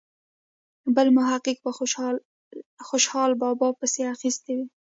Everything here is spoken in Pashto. بل محقق په خوشال بابا پسې اخیستې وي.